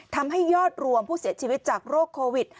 ทำให้ยอดรวมผู้เสียชีวิตจากโรคโควิด